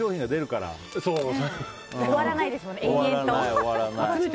終わらないですもんね、永遠と。